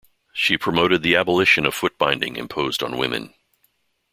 She promoted the abolition of foot binding imposed on women.